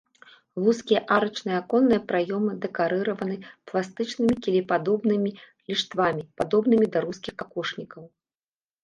Вузкія арачныя аконныя праёмы дэкарыраваны пластычнымі кілепадобнымі ліштвамі, падобнымі да рускіх какошнікаў.